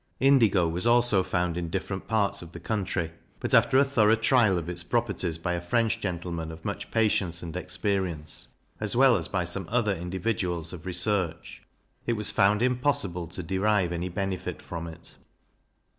Indigo was also found in different parts of the country; but, after a thorough trial of its properties by a French gentleman of much patience and experience, as well as by some other individuals of research, it was found impossible to derive any benefit from it.